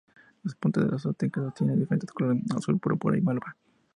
Las puntas de los tentáculos tienen diferentes colores: azul, púrpura o malva.